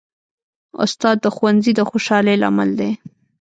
استاد د ښوونځي د خوشحالۍ لامل دی.